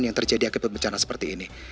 yang terjadi akibat bencana seperti ini